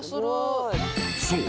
［そう。